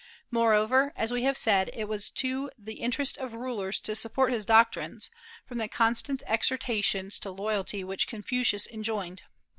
Moreover, as we have said, it was to the interest of rulers to support his doctrines, from the constant exhortations to loyalty which Confucius enjoined.